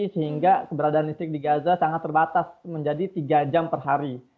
sehingga keberadaan listrik di gaza sangat terbatas menjadi tiga jam per hari